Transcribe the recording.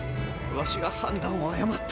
わしが判断を誤った。